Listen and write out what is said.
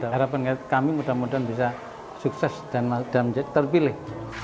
harapan kami mudah mudahan bisa sukses dan terpilih